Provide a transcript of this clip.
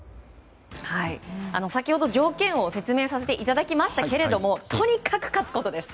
先ほど条件を説明させていただきましたがとにかく勝つことです。